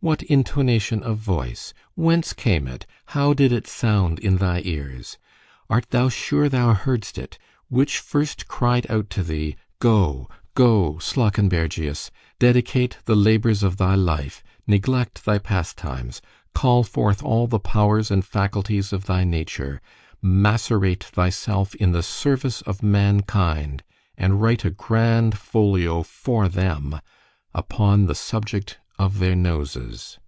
what intonation of voice? whence came it? how did it sound in thy ears?——art thou sure thou heard'st it?——which first cried out to thee——go——go, Slawkenbergius! dedicate the labours of thy life—neglect thy pastimes——call forth all the powers and faculties of thy nature——macerate thyself in the service of mankind, and write a grand FOLIO for them, upon the subject of their noses.